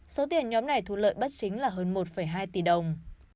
số tiền nhóm này thu lợi bất chính là hơn một hai tỷ đồng